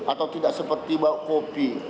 atau tidak seperti bau kopi